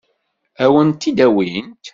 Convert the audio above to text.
Ad wen-t-id-awint?